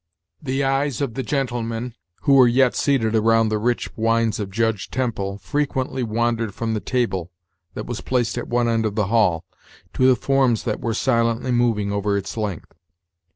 The eyes of the gentlemen, who were yet seated around the rich wines of Judge Temple, frequently wandered from the table, that was placed at one end of the hall, to the forms that were silently moving over its length.